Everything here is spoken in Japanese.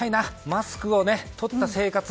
マスクをとった生活。